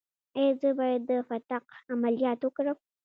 ایا زه باید د فتق عملیات وکړم؟